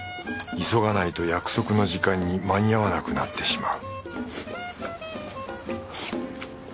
急がないと約束の時間に間に合わなくなってしまう